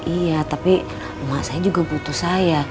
iya tapi rumah saya juga butuh saya